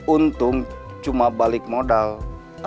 untung cuma balik modalnya